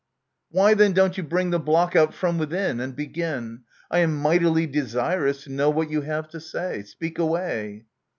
Why, then, don't you bring the block out from within, And begin ? I am mightily desirous to know what you have to say ! Speak away